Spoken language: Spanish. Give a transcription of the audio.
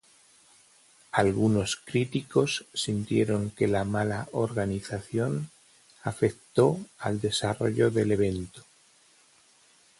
Algunos críticos sintieron que la mala organización afectó al desarrollo del evento.